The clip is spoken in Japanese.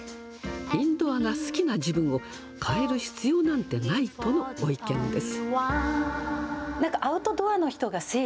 インドアが好きな自分を変える必要なんてないとのご意見です。